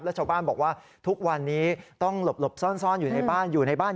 และชาวบ้านบอกว่าทุกวันนี้ต้องหลบซ่อนอยู่ในบ้าน